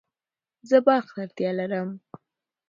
زه برق ته اړتیا لرم